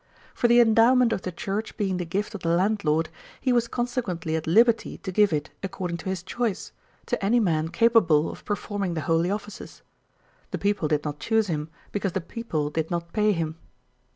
For the endowment of the church being the gift of the landlord, he was consequently at liberty to give it according to his choice, to any man capable of performing the holy offices. The people did not choose him, because the people did not pay him.